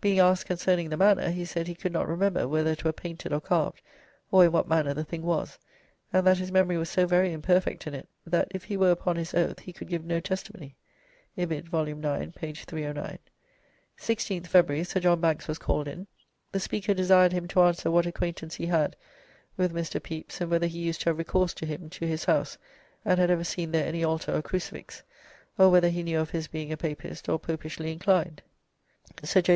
Being asked concerning the manner, he said he could not remember whether it were painted or carved, or in what manner the thing was; and that his memory was so very imperfect in it, that if he were upon his oath he could give no testimony." . Ibid., vol. ix., p. 309. " 16th February Sir John Banks was called in The Speaker desired him to answer what acquaintance he had with; Mr. Pepys, and whether he used to have recourse to him to his house and had ever seen there any Altar or Crucifix, or whether he knew of his being a Papist, or Popishly inclined. Sir J.